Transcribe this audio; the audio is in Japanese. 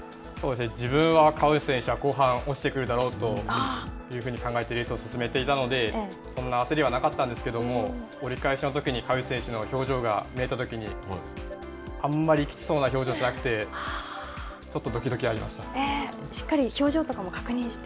自分は川内選手は後半落ちてくるだろうというふうに考えてレースを進めていたので、そんな焦りはなかったんですけれども、折り返しのときに川内選手の表情が見えたときに、あんまりきつそうな表情じゃなくて、ちょしっかり表情とかも確認して？